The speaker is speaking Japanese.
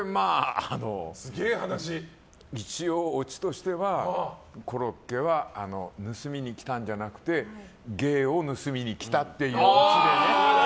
一応オチとしてはコロッケは盗みに来たんじゃなくて芸を盗みに来たっていう。